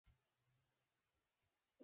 নিচে থাকার সময়েও।